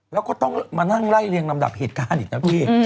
แล้วก็ต้องมานั่งไล่เรียงลำดับเหตุการณ์อีกนะพี่